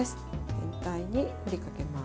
全体に振りかけます。